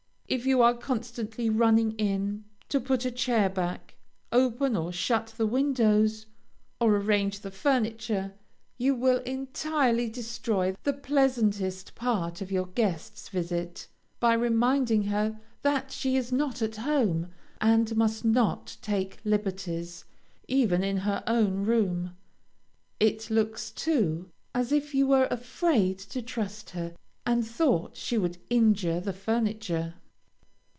If you are constantly running in, to put a chair back, open or shut the windows, or arrange the furniture, you will entirely destroy the pleasantest part of your guest's visit, by reminding her that she is not at home, and must not take liberties, even in her own room. It looks, too, as if you were afraid to trust her, and thought she would injure the furniture.